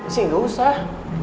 sih gak usah